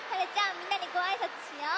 みんなにごあいさつしよう。